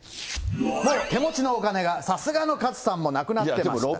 もう手持ちのお金が、さすがの勝さんもなくなってました。